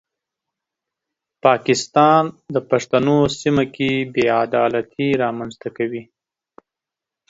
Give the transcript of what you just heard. پاکستان د پښتنو سیمه کې بې عدالتي رامنځته کوي.